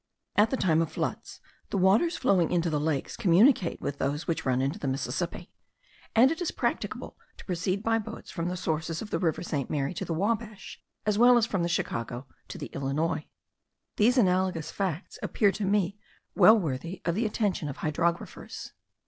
At the time of floods, the waters flowing into the lakes communicate with those which run into the Mississippi; and it is practicable to proceed by boats from the sources of the river St. Mary to the Wabash, as well as from the Chicago to the Illinois. These analogous facts appear to me well worthy of the attention of hydrographers.